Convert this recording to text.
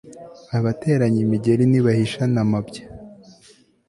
abateranye imigeri ntibahishana amabya